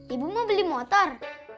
ibu mau beli motor